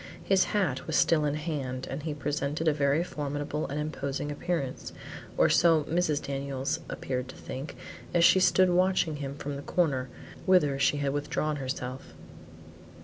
His hat was still in his hand, and he presented a very formidable and imposing appearance, or so Mrs. Daniels appeared to think as she stood watching him from the corner, whither she had withdrawn herself.